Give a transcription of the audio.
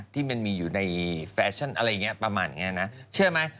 ที่มันมีอยู่ในแฟชั่นอะไรอย่างนี้ประมาณอย่างนี้นะเชื่อไหม